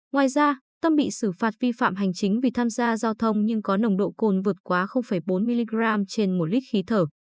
ngoài ra tâm bị xử phạt vi phạm hành chính vì tham gia giao thông nhưng có nồng độ cồn vượt quá bốn mg trên một lít khí thở